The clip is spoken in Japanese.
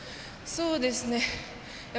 そうですね。